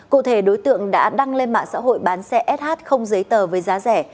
cụ thể đối tượng đã đăng lên mạng xã hội bán xe sh không giấy tờ với giá rẻ